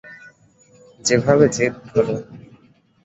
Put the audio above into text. যেভাবে জেদ ধরো।